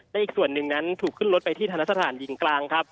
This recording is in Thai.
และอีกส่วนหนึ่งนั้นถูกขึ้นรถไปที่ธนสถานหญิงกลางครับ